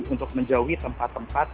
untuk menjauhi tempat tempat